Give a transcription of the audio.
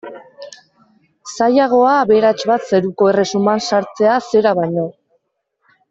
Zailagoa aberats bat zeruko erresuman sartzea zera baino.